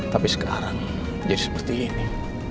tapi sekarang jadi seperti ini